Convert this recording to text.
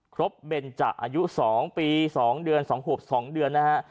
ครบเบนจะอายุ๒ปี๒เดือน๒ขวบ๒เดือนนะฮะ